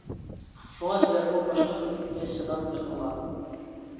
شۇڭا سىلەرمۇ باشقا خىلدىكىنى سىناپ بېقىڭلار.